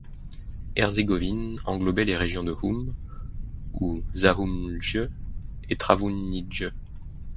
Herzégovine englobait les régions de Hum, ou Zahumlje, et Travunije.